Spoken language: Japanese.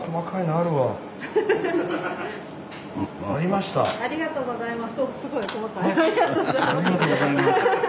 ありがとうございます。